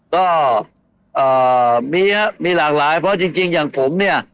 ก็มีครับมีหลากหลายเพราะจริงอย่างผมเนี่ย